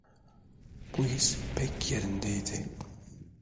Bu his pek yerinde idi.